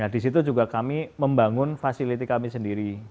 di situ juga kami membangun fasility kami sendiri